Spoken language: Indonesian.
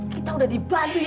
kita udah dibantuin